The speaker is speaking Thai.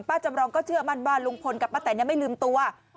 จำรองก็เชื่อมั่นว่าลุงพลกับป้าแตนไม่ลืมตัว